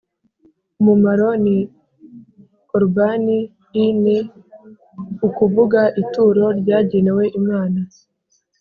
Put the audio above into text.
umumaro ni korubani i ni ukuvuga ituro ryagenewe Imana